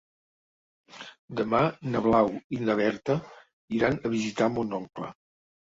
Demà na Blau i na Berta iran a visitar mon oncle.